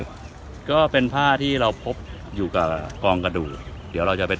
เวลาที่สุดท้าย